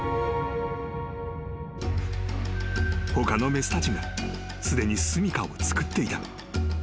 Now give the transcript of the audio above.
［他の雌たちもすでにすみかを作っていた］